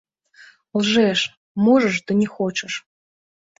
Лжэш, можаш, ды не хочаш.